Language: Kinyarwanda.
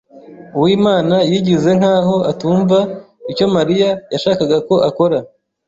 Uwimana yigize nkaho atumva icyo Mariya yashakaga ko akora.